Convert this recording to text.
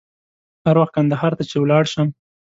هر وخت کندهار ته چې ولاړ شم.